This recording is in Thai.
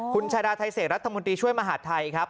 คุณชาดาไทเศษรัฐมนตรีช่วยมหาดไทยครับ